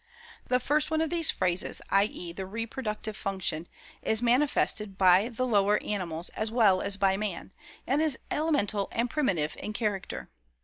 The first one of these phases, i. e., the reproductive function, is manifested by the lower animals as well as by man, and is elemental and primitive in character.